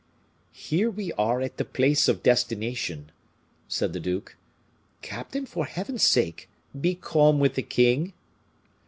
"Here we are at our place of destination," said the duke. "Captain, for Heaven's sake be calm with the king!"